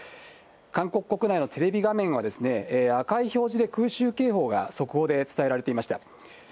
韓国国内のテレビ画面は、赤い表示で空襲警報が速報で伝えられていました。